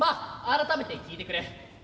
改めて聞いてくれ。